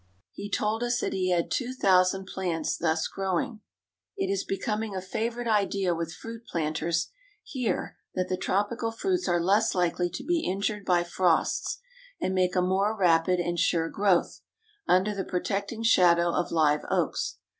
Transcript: He told us that he had two thousand plants thus growing. It is becoming a favorite idea with fruit planters here, that the tropical fruits are less likely to be injured by frosts, and make a more rapid and sure growth, under the protecting shadow of live oaks.